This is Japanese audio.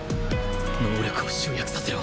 能力を集約させろ！